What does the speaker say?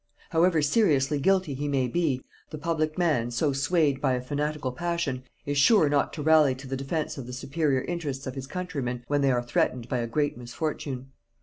However seriously guilty he may be, the public man, so swayed by a fanatical passion, is sure not to rally to the defense of the superior interests of his countrymen when they are threatened by a great misfortune.